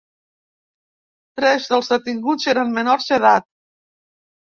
Tres dels detinguts eren menors d’edat.